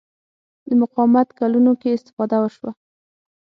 د مقاومت کلونو کې استفاده وشوه